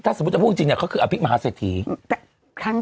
ถ้าสมมุติจะพูดจริงเนี่ยเขาคืออภิกมหาเศรษฐี